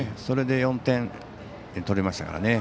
それで４点取りましたから。